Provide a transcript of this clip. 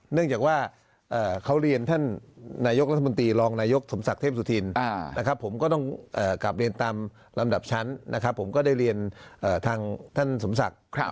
เนื่องจากว่าเขาเรียนท่านนายกรัฐมนตรีรองนายกสมศักดิ์เทพสุธินนะครับผมก็ต้องกลับเรียนตามลำดับชั้นนะครับผมก็ได้เรียนทางท่านสมศักดิ์